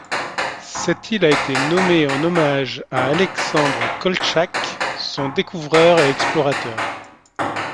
Cette île a été nommée en hommage à Alexandre Koltchak, son découvreur et explorateur.